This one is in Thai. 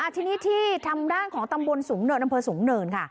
ทีนี้ที่ทางด้านของตำบลสูงเนินอำเภอสูงเนินค่ะ